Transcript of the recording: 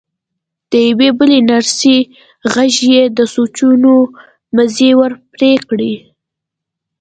د يوې بلې نرسې غږ يې د سوچونو مزی ور پرې کړ.